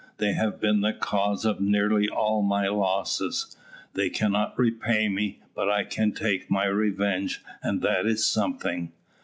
They have been the cause of nearly all my losses. They cannot repay me, but I can take my revenge, and that is something."